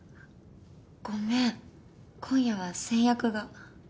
ごめん今夜は先約が。